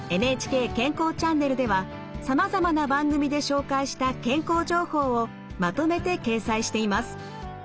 「ＮＨＫ健康チャンネル」ではさまざまな番組で紹介した健康情報をまとめて掲載しています。